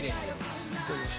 いただきます。